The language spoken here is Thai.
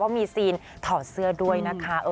มีซีนถอดเสื้อด้วยนะคะ